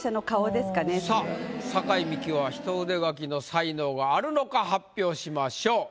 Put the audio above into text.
さあ酒井美紀は一筆書きの才能があるのか発表しましょう。